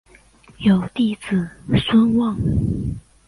有弟子孙望。